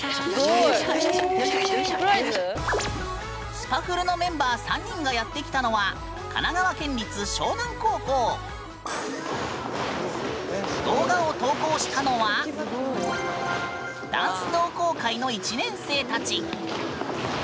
スパフルのメンバー３人がやって来たのは動画を投稿したのはダンス同好会の１年生たち。